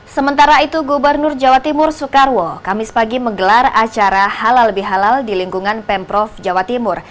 sementara itu gubernur jawa timur soekarwo kamis pagi menggelar acara halal bihalal di lingkungan pemprov jawa timur